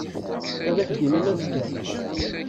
Ad ak-d-inin azekka.